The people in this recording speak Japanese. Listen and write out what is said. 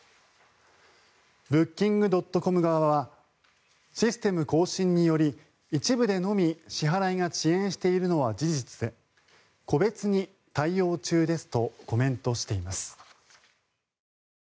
ブッキングドットコム側はシステム更新により一部でのみ支払いが遅延しているのは事実で個別に対応中ですとコメントしています。